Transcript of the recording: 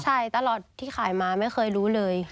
ใช่ตลอดที่ขายมาไม่เคยรู้เลย